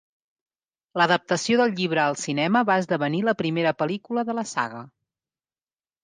L'adaptació del llibre al cinema va esdevenir la primera pel·lícula de la saga.